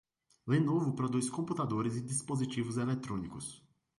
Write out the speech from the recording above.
Lenovo produz computadores e dispositivos eletrônicos.